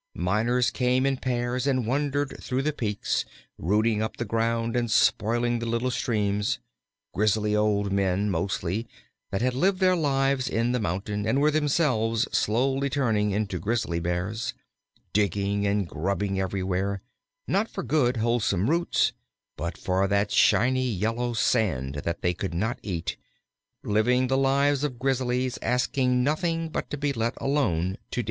Miners came in pairs and wandered through the peaks, rooting up the ground and spoiling the little streams grizzly old men mostly, that had lived their lives in the mountain and were themselves slowly turning into Grizzly Bears; digging and grubbing everywhere, not for good, wholesome roots, but for that shiny yellow sand that they could not eat; living the lives of Grizzlies, asking nothing but to be let alone to dig.